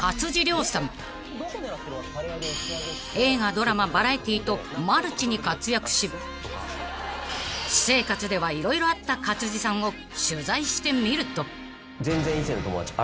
［映画ドラマバラエティーとマルチに活躍し私生活では色々あった勝地さんを取材してみると］